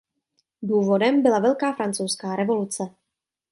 Důvodem byla Velká francouzská revoluce.